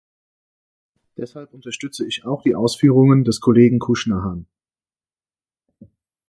Deshalb unterstütze ich auch die Ausführungen des Kollegen Cushnahan.